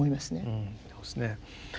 うんそうですね。